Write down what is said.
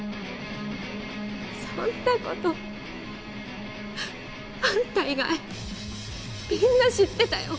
そんな事あんた以外みんな知ってたよ。